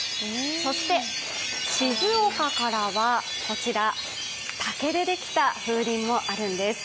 そして、静岡からはこちら、竹でできた風鈴もあるんです。